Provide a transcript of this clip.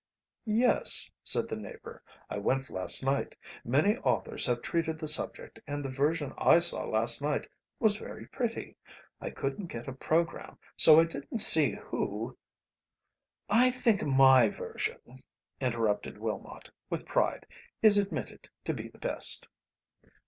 "Yes," said the neighbour, "I went last night; many authors have treated the subject, and the version I saw last night was very pretty. I couldn't get a programme so I didn't see who " "I think my version," interrupted Willmott, with pride, "is admitted to be the best."